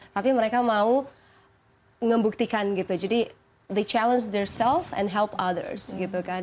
tapi mereka mau membuktikan gitu jadi the challenge the self and help others gitu kan